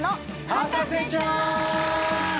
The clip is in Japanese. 『博士ちゃん』！